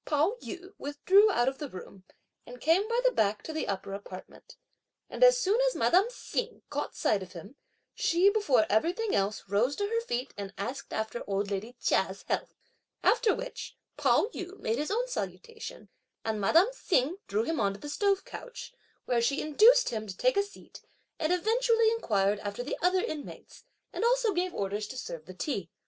Pao yü withdrew out of the room, and came by the back to the upper apartment; and as soon as madame Hsing caught sight of him, she, before everything else, rose to her feet and asked after old lady Chia's health; after which, Pao yü made his own salutation, and madame Hsing drew him on to the stove couch, where she induced him to take a seat, and eventually inquired after the other inmates, and also gave orders to serve the tea.